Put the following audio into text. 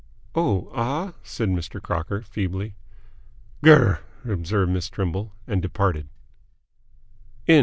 "Oh, ah?" said Mr. Crocker, feebly. "Grrrh!" observed Miss Trimble, and departed.